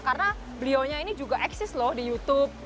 karena beliau ini juga eksis loh di youtube